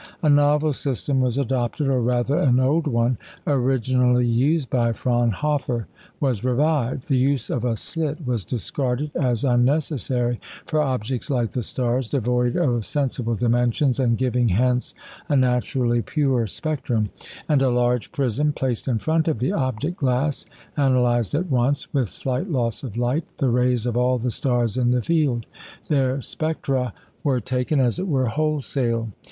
A novel system was adopted, or, rather, an old one originally used by Fraunhofer was revived. The use of a slit was discarded as unnecessary for objects like the stars, devoid of sensible dimensions, and giving hence a naturally pure spectrum; and a large prism, placed in front of the object glass, analysed at once, with slight loss of light, the rays of all the stars in the field. Their spectra were taken, as it were, wholesale.